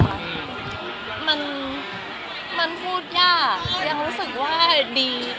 มันมันพูดยากยังรู้สึกว่าดี